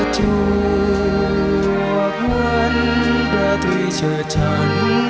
จวกวันประทุยเชิดฉัน